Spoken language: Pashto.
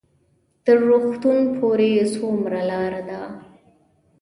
تر روغتون پورې څومره لار ده؟